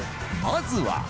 まずは。